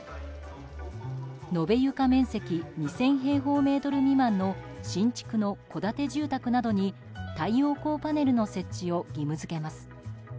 延べ床面積２０００平方メートル未満の新築の戸建て住宅などに太陽光パネルの設置を義務付けます。